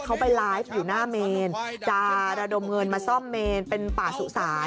เขาไปไลฟ์อยู่หน้าเมนจะระดมเงินมาซ่อมเมนเป็นป่าสุสาน